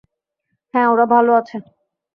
হ্যাঁ, ওরা ভালো আছে।